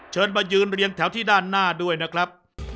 เชิญมายืนเรียงแถวที่ด้านหน้าด้วยนะครับ